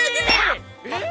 えっ⁉